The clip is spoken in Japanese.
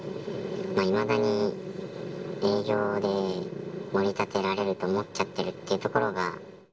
いまだに営業で、もり立てられると思っちゃってるっていうところが。